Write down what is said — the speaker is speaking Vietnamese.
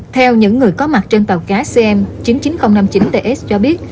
theo những người có mặt trên tàu cá cm chín mươi chín nghìn năm mươi chín ts cho biết